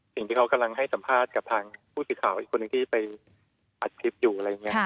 สิ่งที่เขากำลังให้สัมภาษณ์กับทางผู้สื่อข่าวอีกคนหนึ่งที่ไปอัดคลิปอยู่อะไรอย่างนี้